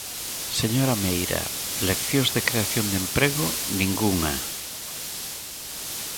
Señora Meira, leccións de creación de emprego, ¡ningunha!